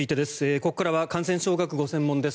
ここからは感染症学がご専門です